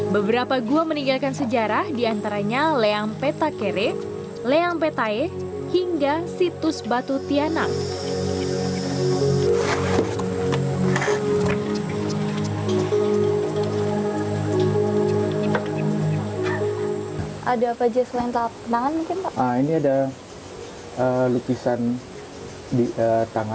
beberapa gua meninggalkan sejarah di antaranya leang petakere leang petae hingga situs batu tianang